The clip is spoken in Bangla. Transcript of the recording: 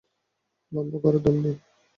লম্বা করে দম নিন।